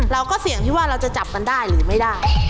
เราก็เสี่ยงที่ว่าเราจะจับกันได้หรือไม่ได้